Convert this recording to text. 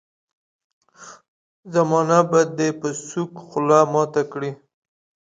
زمانه به دي په سوک خوله ماته کړي.